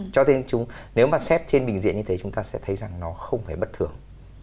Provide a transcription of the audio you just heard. cho nên nếu mà xét trên bình diện như thế chúng ta sẽ thấy rằng nó không phải bất thường